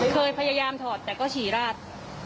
เคยพยายามถอดแต่ก็เสียงมากเหมือนกันนะครับ